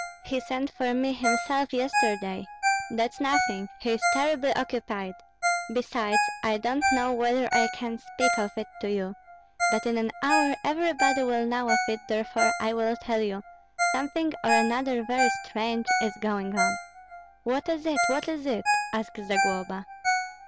"He sent for me himself yesterday." "That's nothing; he is terribly occupied. Besides, I don't know whether I can speak of it to you but in an hour everybody will know of it, therefore I will tell you something or another very strange is going on." "What is it, what is it?" asked Zagloba.